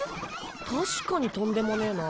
確かにとんでもねぇな。